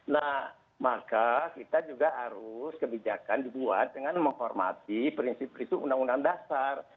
nah maka kita juga harus kebijakan dibuat dengan menghormati prinsip prinsip undang undang dasar